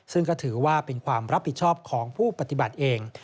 ซึ่งก็ถือว่าเป็นความรับผิดชอบของผู้ปฏิบัติเอง